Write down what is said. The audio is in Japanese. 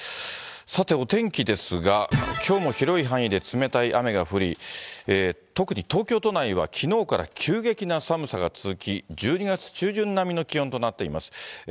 さて、お天気ですが、きょうも広い範囲で冷たい雨が降り、特に東京都内はきのうから急激な寒さが続き、１２月中旬並みの気温となっています。